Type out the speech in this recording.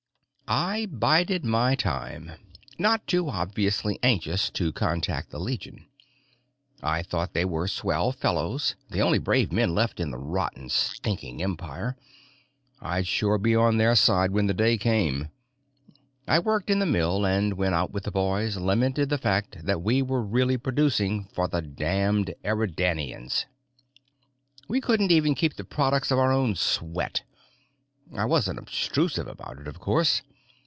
I bided my time, not too obviously anxious to contact the Legion. I just thought they were swell fellows, the only brave men left in the rotten, stinking Empire; I'd sure be on their side when the day came. I worked in the mill, and when out with the boys lamented the fact that we were really producing for the damned Eridanians, we couldn't even keep the products of our own sweat. I wasn't obtrusive about it, of course.